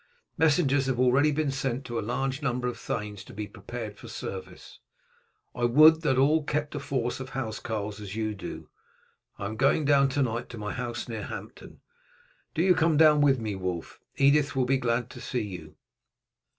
Messengers have already been sent to a large number of thanes to be prepared for service. I would that all kept a force of housecarls as you do. I am going down to night to my house near Hampton. Do you come down with me, Wulf. Edith will be glad to see you."